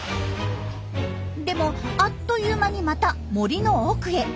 でもあっという間にまた森の奥へ。